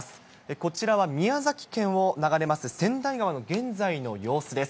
こちらは宮崎県を流れます、川内川の現在の様子です。